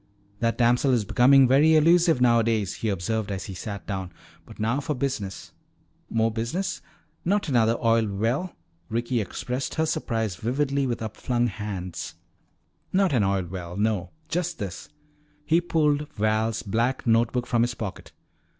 "That damsel is becoming very elusive nowadays," he observed as he sat down. "But now for business." "More business? Not another oil well!" Ricky expressed her surprise vividly with upflung hands. "Not an oil well, no. Just this " He pulled Val's black note book from his pocket.